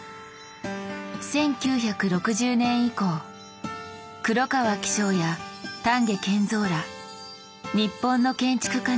１９６０年以降黒川紀章や丹下健三ら日本の建築家によって広められました。